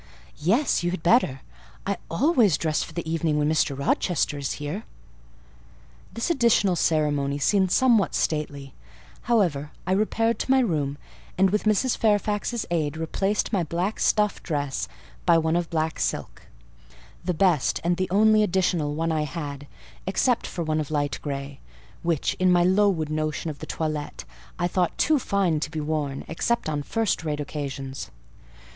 "Yes, you had better: I always dress for the evening when Mr. Rochester is here." This additional ceremony seemed somewhat stately; however, I repaired to my room, and, with Mrs. Fairfax's aid, replaced my black stuff dress by one of black silk; the best and the only additional one I had, except one of light grey, which, in my Lowood notions of the toilette, I thought too fine to be worn, except on first rate occasions.